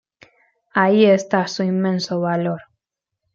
Ahí está su inmenso valor.